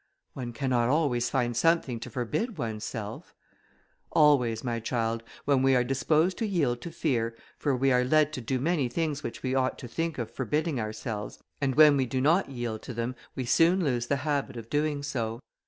"One cannot always find something to forbid oneself." "Always, my child, when we are disposed to yield to fear, for we are led to do many things which we ought to think of forbidding ourselves, and when we do not yield to them, we soon lose the habit of doing so.